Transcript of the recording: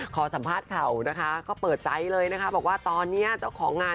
ขอสัมภาษณ์ข่าวนะคะก็เปิดใจเลยนะคะบอกว่าตอนนี้เจ้าของงาน